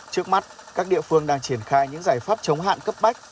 trước mắt các địa phương đang triển khai những giải pháp chống hạn cấp bách